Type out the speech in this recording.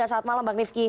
selamat malam bang rifki